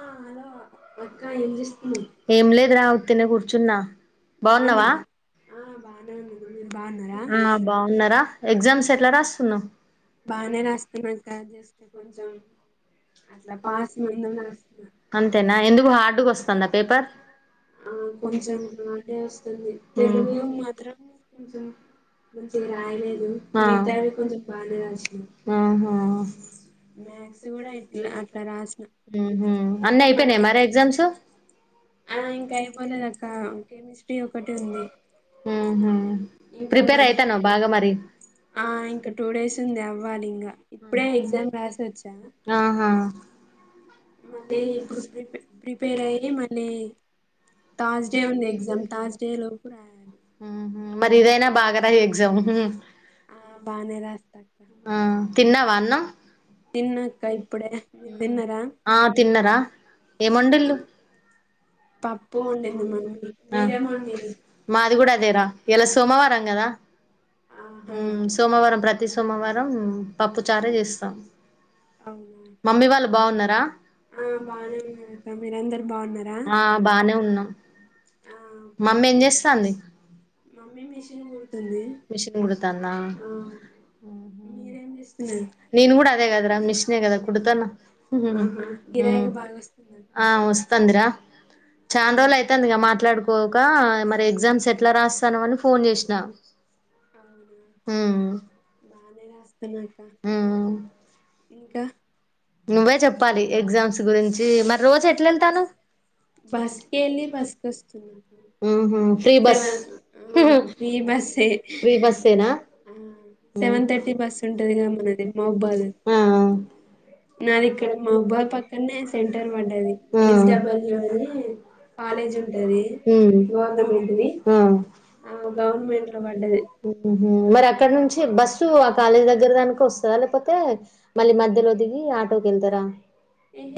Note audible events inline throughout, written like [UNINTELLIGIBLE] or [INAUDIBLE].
ఆ హలో అక్క ఏం చేస్తున్నావ్ ఏం లేదు రా వుత్తినే కూర్చున్నా బాగున్నావా. ఆ బాగునే ఉన్న మీరు బాగున్నారా బాగున్నారా ఎగ్జామ్స్ ఎట్లా రాస్తున్నా బానే రాస్తున్న అక్క కొంచెం అట్లా పాస్ మా ఈజీ గా వస్తాంద పేపర్ మ్.... అ.... ఆ.. హ... మ్ మ్.. అన్ని అయిపోయినాయా మరి ఎగ్జామ్స్ మ్.. హుమ్... ప్రిపేర్ అయితనవా బాగా మరి ఆ... ఆ‌... హా మళ్ళీ ఇప్పుడు ప్రిపే ప్రిపేర్ అయ్యి మళ్ళీ థాస్డే ఉంది ఎగ్జామ్ థాస్డే లోపు రాయాలి మరి ఇదైనా బాగా రాయి ఎగ్జామ్ మ్ ఆ తిన్నావా అన్నం ఆ తిన్నరా ఏమొండిల్ళు త [INAUDIBLE] మాదిగూడ అదేరా ఇలా సోమవారం కదా సోమవారం ప్రతి సోమ సోమవారం పప్పు చారే చేస్తాం అవునా ఆ బానే ఉన్నారక్క మీరందరు బావున్నారా ఆ [UNINTELLIGIBLE] మమ్మ ఏం చేస్తాంది మిషను కుడతాందా నేను కూడా అదే కదరా మిషను అదె కదా కుడతన్నా మ్.. ఆ వస్తంది ర చానరోజులు అయితంది గ మాట్లాడు పోకా మ ఎగ్జామ్స్ ఎట్లా రాస్తనవని ఫోన్ చేసిన మ్.. మ్.. నువ్వే చెప్పాలి ఎగ్జామ్స్ గురించి మరి రోజు ఎట్లా ఎల్తానవ్ బస్ కెళ్ళి బస్ కొస్తున్న ఫ్రీ బస్ ఫ్రీ బస్సెనా కాలేజ్ ఉంటది మ్... ఆమ్... మరి అక్కడ నుంచి బస్సు ఆ కాలేజ్ దగ్గర దానిక వస్తుంది చకపోతే [UNINTELLIGIBLE] మళ్ళీ మధ్యలోదిగి నువు కింద ర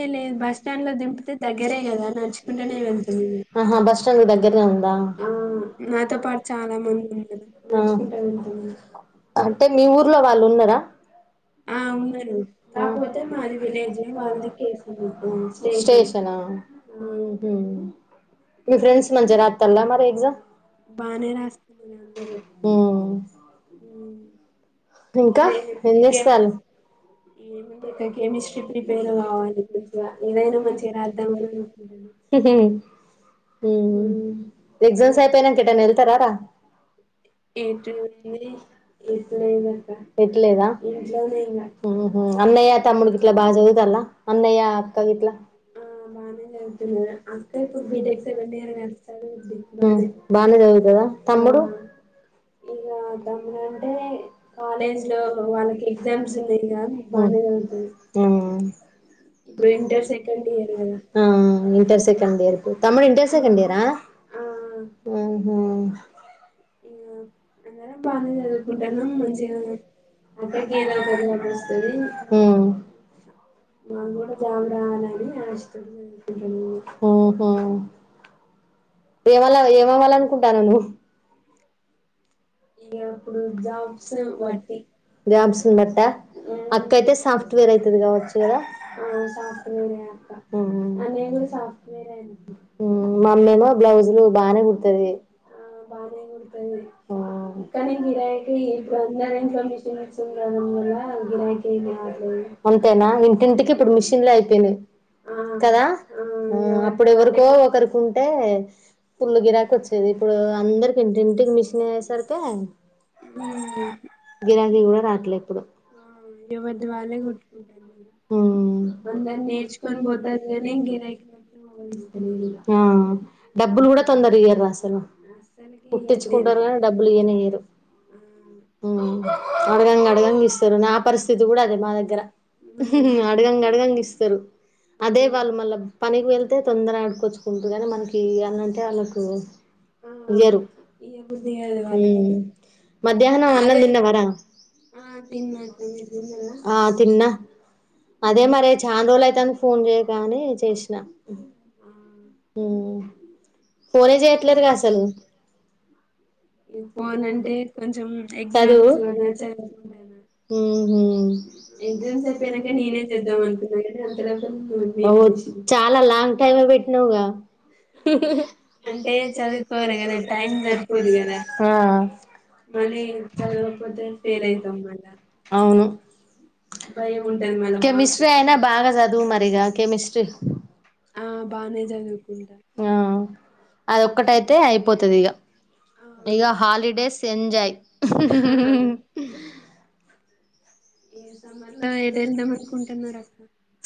ఏ లేదు బస్ స్టాండ్ లో దింపితే తగ్గరే కదా న ా బస్ స్టాండ్దా అగర రాను అంటే మీ ఊర్లో వాళ్ళు ఉన్నారా అవున కాకపోతే మీ ఫ్రెండ్స్ మంచిే రాతల్లే అరి ఎజా బా ఇంకా ఏం చేస్తారుెమిట్రవాలి మ హ ఎగజాస్ అయిపోయినా కా న స్తారారా లేదా అన్నయ్య తమ్ముడికి ఇట్లా బాగా చదువుతాల అన్నయ్య అక్క గట్లా బా బానేదివుతుదా తమ్డు ఇ తమ అంటే కాలేజ్ లో వాళ్ళకి ఎగ్జామ్స్ ఉన్నాయి బానే చదువుతుండు ఇప్పుడు వింటర్ సెకండ్ ఇయర్ కదా ఇ కండి తమ్ముడు ఇంటర్ సెకండియారా ఆ అందరం పని చదువుకుంటాను మంచిగా అక్కడికని వస్తుంది కూడా జాబ రావాలని ఆ ఇష్ట చదువుకుంటాను ఓహో ఏమలా ఏమవ్వాలనుకుంటాను నువ్వు బటి జాబ్స్ బట్ట అక్కయితే సాఫ్ట్వేర్ అతుది కావచ్చు కదా రోజులు బానే గుర్తుంది ఆ బానే గుర్తుంది అంతేనా ఇంటింటికి ఇప్పుడు మిషన్లు అయిపోయినాయి కదా అప్పుడు ఎవరికో ఒకరికి ఉంటే పుల్లు గిరాక వచ్చేది ఇప్పుడు ఇప్పుడు అందరికి ఇంట ఇంటి మిషన్ అరికి కా గిరాకీ కూడా రాట్లే ఇప్పుడు నేర్చుకని డబ్బులు కూడా తొందర ఇ్వరు అసలు కుట్టించుకుంటారుద డబ్ ఏనేరు అడగంగా అడగంగా ఇస్తారు నా పరిస్థితి కూడా అదే బదకర అడగ అడగంగ ఇస్తారు అదే వాళ్ళు మళ్ళా పనికి వెళ్తే తొందర ఆడుకోవచ్చు కుంటారు కానీ మనకి అన్నంటే వాళ్ళకు జరు మధ్యాహ్నం ఆన్నం తిన్నవార ఆ తిన్న అదే మరి చాలా రోజులు అయితందే ఫోన్ చేయగానే చేసిన మ్మ్ ఫోనే చేయట్లేదుగ అసలు చదువు మ్మ్ హ్మ్ ఎగ్జామ్స్ అయిపోయాక నేను ఏ చేద్దాం అనుకున్నా అంతకంటె ముందు నువ్వే చేశావ్ చాలా లాంగ్ టైం ఏయ్ పెట్టు నుగా [INAUDIBLE] మళ్ళీ చదువుకోకపోతే ఫేల్ ఐతమ్ మళ్ళ అవును భయం ఉంటది మనకి కెమిస్ట్రీ అయిన బాగా చదు అ మరిగా కెమిస్ట్రీ ఆ ఆది ఒకటి అయితే అయి పోతుందిగా ఇక హాలిడేస్ ఎంజాయ్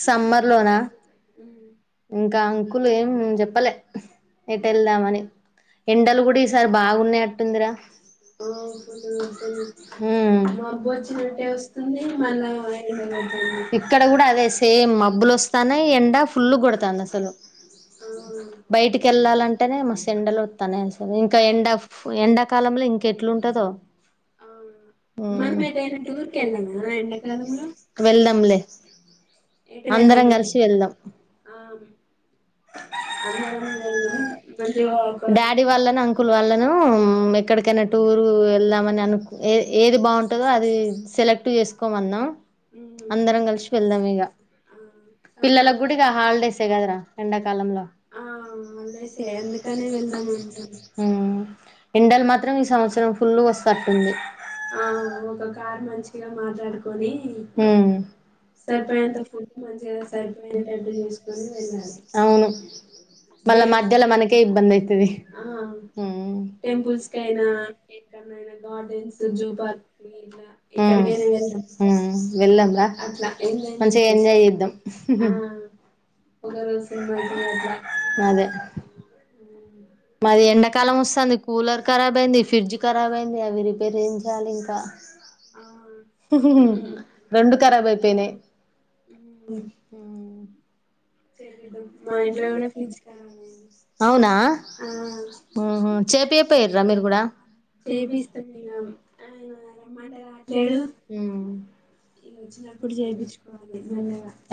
సమ్మర్ లోనా ఇంకా అంకులు ఏం చెప్పలే ఎట్ వెళ్దామని ఎండలు కూడా ఈసారి బాగున్నా అట్టుందిరా ఇక్కడ కూడా అదే సేమ్ మబ్బులు వస్తానే ఎండ ఫులు గ కూడా తందీ అసలు బయటికి వెళ్ళాలంటేనే మ ఎండలు వస్తానే అసలు ఇంకా ఎండ ఎండాకాలంలో ఇంకెట్లుంటదో వెళ్దాంలే అందరం కలిసి వెళ్దాం ఆమ్ డాడీ వాళ్ళను అంకుల్ వాళ్ళను ఎక్కడికైనా రు వెళ్దాం అని అనుకుంటూ ఏ ఏది బాగుంటందో అది సెలెక్ట్ చేసుకోమన్నాాం అందరం కలిసి వెళ్దాం ఇక పిల్లలకు కూడా హాలిడే కదరా ఎకాలంలో ఆ ఎండలు మాత్రం ఈ సమాచారం ఫుల్ గా వస్తున్నాయి కట్టుంది ఆ ఒక కార్ మంచిగా మాట్లాడుకొని సరిపోయింత ఫు మంచిగా సరిపోయిన అవును మళ్ళ మధ్యలో మనకే ఇబ్బందయితది. ఉహ్ టెంపుల్స్నా ఇంకా గడెన్స్, జూ పార్కు, వెల్ధం రాహ్. అహ్ మంచిగా ఎంజాయ్ చేద్దాం. ఆహ్ అదే మాది ఎండాకాలం వస్తంది. కూలర్ ఖరాబ్ అయింది. ఫ్రిజ్ కరాబై ఇంగ అవి రిపేర్ చేయాలి ఇంకా రెండు కరాబ్ అయిపోయినాయి. అవునా ఉహ్ హు చేపియాపోయరా మీరు కూడా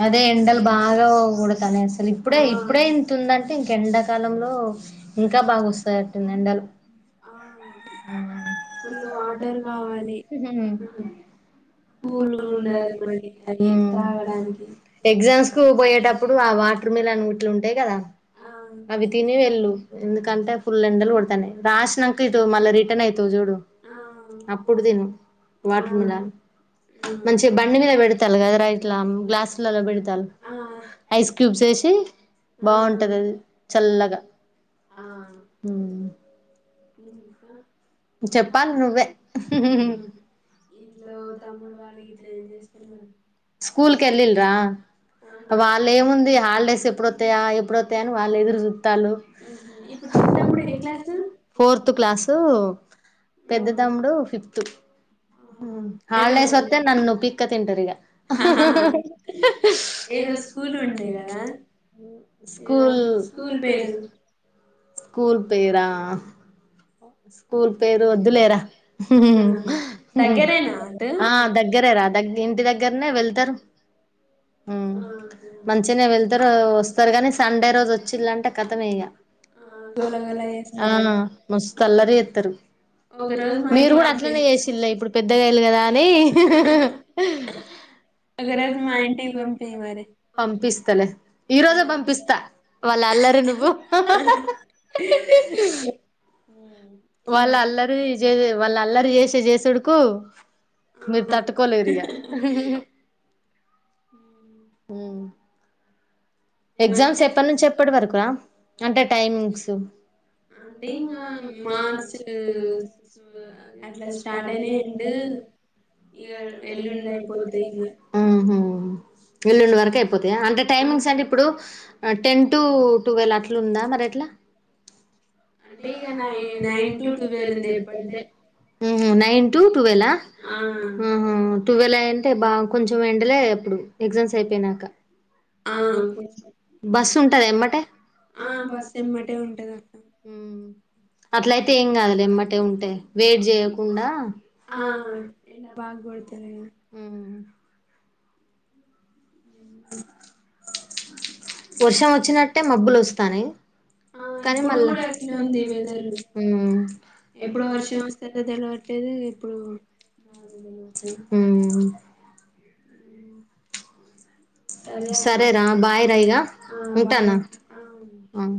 అదే ఎండలు బాగా కోడ్ గా నే అసలు ఇప్పుడే ఇప్పుడే ఇంతుందంటే ఇంకెండాకాలంలో ఇంకా బాగా వస్తయట్టిందండ ఆహ్ హు హు హు కూల్ ఉండదు మళీ అవి తాగడానికి. అప్పుడు ఆ వాటర్ మిలన్ గిట్ల ఉంటాయి కదా అవి తిని వెళ్ళు ఎందుకంటే ఫుల్ ఎండ రాశ్నంకా ఇటు మల్ల రీటన్ అయితవ్ జూడు.. అప్పుడు తిను వాటర్ మీలాన్ మంచిగా బండి మీద పెడతాల కదరా ఇట్లా గ్లాసులలో పెడతాలు. క్యూబ్స్ ఎసి బాగుంటది అది చల్లగా ఉహ్ ఉహ్ హా చెప్పాలి నువ్వే. స్కూల్ కి వెళ్ళిల్ రా వాళ్ళు ఏముంది హాలిడేస్ ఎప్పుడొతాయా, ఎప్పుడొతాయా అని వాళ్ళ ఎదురు చూతాలు. ఫోర్త్ క్లాసు పెద్ద తమ్ముడు ఫిఫ్త్ హాలిడేస్ వతే నన్ను పిక్క తింటారు. ఇగా స్కూల్ స్కూల్ పేరు స్కూల్ పేర స్కూల్ పేరు వద్దులేరా. ఆహ్ దగ్గరేరా దగ ఇంటి దగ్గరనే వెళ్తారు. ఉహ్మ్ మంచిగానే వెళ్తారు వస్తారు. గాని సండే రోజు వచ్చిలాంటే. కథమే ఇగా ఆ ముస్తు అల్లరి చె మీరు కూడా అట్లనే చేసిలే ఇప్పుడు పెద్దగాయలు కదా అని పంపిస్తలే ఈ రజే పంపిస్తా వాళ్ళు వెళ్లరు నువ్వు వాళ్ళ అల్లరి వాళ్ళ అల్లరి చేసే చేసుడుకు మీరు తట్టుకోలేరు ఇగా హ ఎగ్జామ్స్ ఎప్పటి నుంచి ఎప్పటి వరకురా అంటే టైమింగ్స్ అంటే ఇ మార్చ్ అట్లా స్టార్ట్ అయినాడ్ ఇ ఎల్లుం అయిపోతయి ఇగా అహ ఎల్లుం వరాకు ఐ పోతయ అంటే టైమింగ్స్ అంటే ఇప్పుడు టెన్ టు ట్వెల్వ్ అట్లుందా మరి ఎట్లా అంటే ఇగా నైన్ టు టువెల్ మ్ హు నైన్ టు టువెల్ హ ఆ టువెల్ అంటే బాబ్ కొంచెం ఎండలే ఎప్పుడు ఎగ్జామ్స్ అయిపోయినాక ఆ బస్సు ఉంటద ఎమ్మటే ఆ బస్ ఎమ్మటే హు అట్లయితే ఏం కాదులే ఎమ్మటే ఉంటే వెయిటే చేయకుండా అ హు ఉ వర్షం వచ్చినట్టే మబ్బులు వస్తానయి కానీ మళ్ళ ఇప్పుడు కూడా హు ఏప్పుడు వర్షం హు సరేరా బాయరా ఇగా ఉంటానా హ